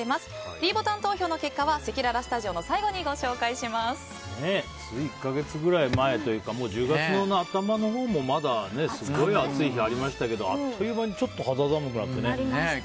ｄボタン投票の結果はせきららスタジオの最後につい１か月ぐらい前というかもう１０月の頭のほうもまだすごい暑い日ありましたけどあっという間にちょっと肌寒くなってね。